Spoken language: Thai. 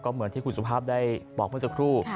เหมือนที่คุณสุภาพได้บอกเมื่อสักครู่